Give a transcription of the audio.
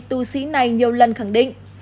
tù sĩ này nhiều lần khẳng định